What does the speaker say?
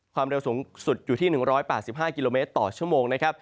ความเร็วสูงสุดอยู่ที่๑๘๕กิโลเมตรต่อชั่วโมงนะครับ